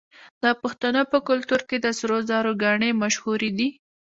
د پښتنو په کلتور کې د سرو زرو ګاڼې مشهورې دي.